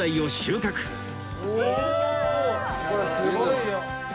これすごいよ！